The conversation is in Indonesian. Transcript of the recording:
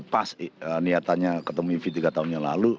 pas niatanya ketemu ify tiga tahun yang lalu